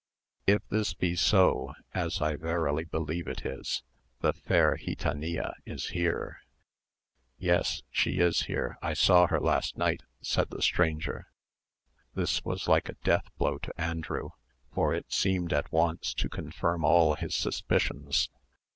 If this be so, as I verily believe it is, the fair gitanilla is here." "Yes, she is here; I saw her last night," said the stranger. This was like a death blow to Andrew; for it seemed at once to confirm all his suspicions.